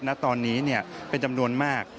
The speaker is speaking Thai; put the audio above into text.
ณตอนนี้เป็นจำนวนมาก